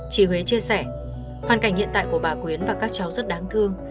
chị huế chia sẻ hoàn cảnh hiện tại của bà quyến và các cháu rất đáng thương